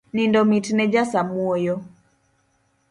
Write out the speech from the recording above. Nindo mitne ja samuoyo